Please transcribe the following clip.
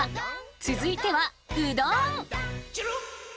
続いてはうどん！